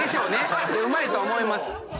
うまいと思います。